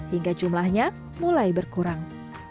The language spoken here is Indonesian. hingga jumlahnya mulai berkurang